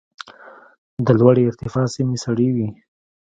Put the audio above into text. د لوړې ارتفاع سیمې سړې وي.